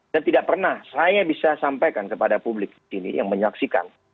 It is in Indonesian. dan tidak pernah saya bisa sampaikan kepada publik di sini yang menyaksikan